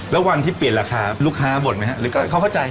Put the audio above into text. แล้ววันที่เปลี่ยนราคาลูกค้าบ่นไหมครับหรือเกิดเขาเข้าใจ